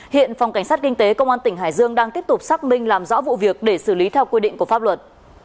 hiện phòng cảnh sát kinh tế công an tỉnh hải dương đang tiếp tục xác minh làm rõ vụ việc để xử lý theo quy định của pháp luật